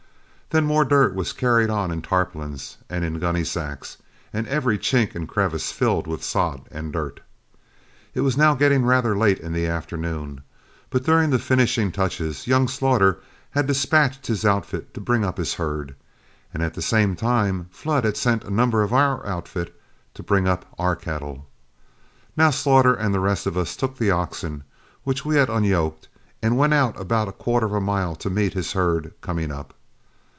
Then more dirt was carried in on tarpaulins and in gunny sacks, and every chink and crevice filled with sod and dirt. It was now getting rather late in the afternoon, but during the finishing touches, young Slaughter had dispatched his outfit to bring up his herd; and at the same time Flood had sent a number of our outfit to bring up our cattle. Now Slaughter and the rest of us took the oxen, which we had unyoked, and went out about a quarter of a mile to meet his herd coming up.